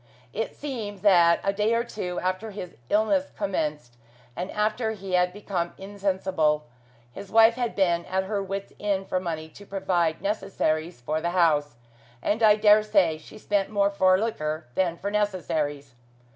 It seems that a day or two after his illness commenced, and after he had become insensible, his wife had been at her wits' end for money to provide necessaries for the house, and I dare say she spent more for liquor than for necessaries.